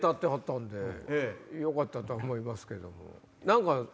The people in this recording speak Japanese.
よかったとは思いますけども。